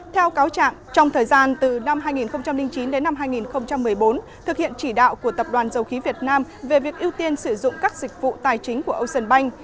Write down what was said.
theo cáo trạng trong thời gian từ năm hai nghìn chín đến năm hai nghìn một mươi bốn thực hiện chỉ đạo của tập đoàn dầu khí việt nam về việc ưu tiên sử dụng các dịch vụ tài chính của ocean bank